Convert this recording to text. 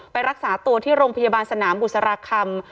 รักษาตัวที่โรงพยาบาลสนามบุษราคำ